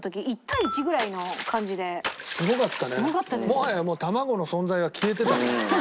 もはや卵の存在が消えてたね。